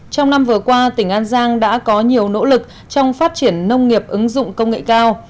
trong năm vừa qua tỉnh an giang đã có nhiều nỗ lực trong phát triển nông nghiệp ứng dụng công nghệ cao